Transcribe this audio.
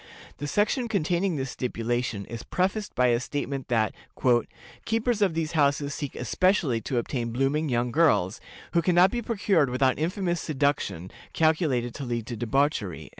The section containing this stipulation is prefaced by a statement that "keepers of these houses seek especially to obtain blooming young girls, who can not be procured without infamous seduction, calculated to lead to debauchery."